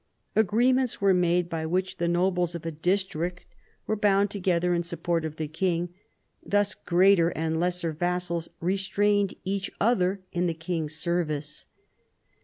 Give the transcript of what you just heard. Agreements were made by which the nobles of a district were bound together in 122 PHILIP AUGUSTUS chap. support of the king : thus greater and lesser vassals restrained each other in the king's service.